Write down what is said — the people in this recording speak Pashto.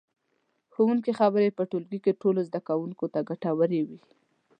د ښوونکي خبرې په ټولګي کې ټولو زده کوونکو ته ګټورې وي.